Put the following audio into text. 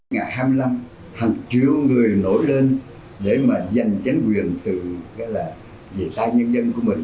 ngày hai mươi năm hàng triệu người nổi lên để mà giành chính quyền từ cái là vì xa nhân dân của mình